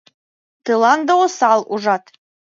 Тыланда осал, ужат!